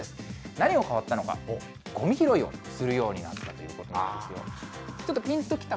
何が変わったのか、ごみ拾いをするようになったということなんですよ。